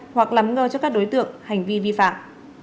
hoặc lắm ngơ cho các đối tượng hành vi vi phạm